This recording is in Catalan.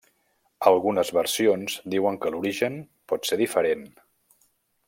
Algunes versions diuen que l'origen pot ser diferent.